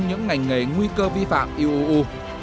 những ngành nghề nguy cơ vi phạm uuu